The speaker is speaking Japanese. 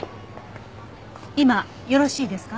今よろしいですか？